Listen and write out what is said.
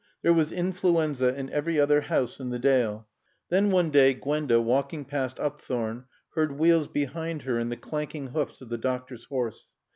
There was influenza in every other house in the Dale. Then, one day, Gwenda, walking past Upthorne, heard wheels behind her and the clanking hoofs of the doctor's horse.